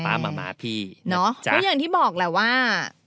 เพราะอย่างที่บอกแหละว่า